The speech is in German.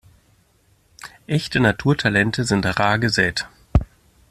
Echte Naturtalente sind rar gesät.